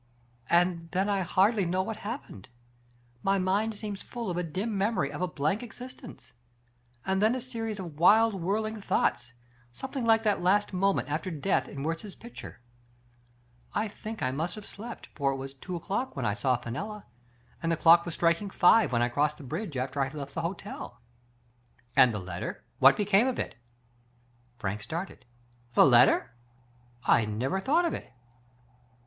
" And then I hardly know what happened. My mind seems full of a dim memory of a blank ex istence, and then a series of wild whirling thoughts, something like that last moment after death in Wiertz's picture. I think I must have slept, for it was two o'clock when I saw Fenella, and the clock was striking five when I crossed the bridge after I had left the hotel." Digitized by Google BRAM STOKER. 119 " And the letter ? What became of it ?" Frank started. " The letter ? I never thought of it.